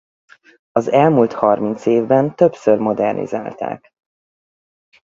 Az elmúlt harminc évben többször modernizálták.